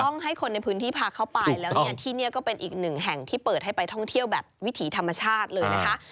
ให้คนในพื้นที่พาเข้าไปแล้วเนี่ยที่นี่ก็เป็นอีกหนึ่งแห่งที่เปิดให้ไปท่องเที่ยวแบบวิถีธรรมชาติเลยนะคะ